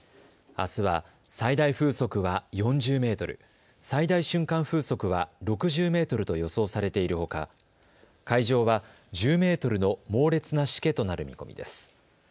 あすは最大風速は４０メートル、最大瞬間風速は６０メートルと予想されているほか、海上は１０メートルの猛烈なしけとなる見込みです。